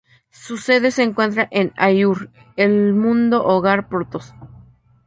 Su sede se encuentra en Aiur, el mundo-hogar Protoss.